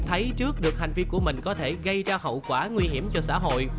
thấy trước được hành vi của mình có thể gây ra hậu quả nguy hiểm cho xã hội